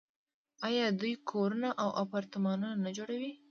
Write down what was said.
آیا دوی کورونه او اپارتمانونه نه جوړوي؟